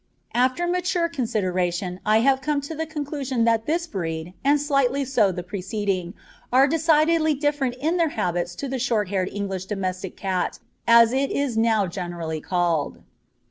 After mature consideration, I have come to the conclusion that this breed, and slightly so the preceding, are decidedly different in their habits to the short haired English domestic cat, as it is now generally called.